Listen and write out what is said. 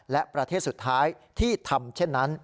และสุดท้ายที่ทำ